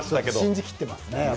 信じきっていますね。